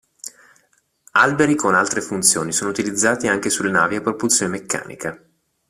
Alberi con altre funzioni sono utilizzati anche sulle navi a propulsione meccanica.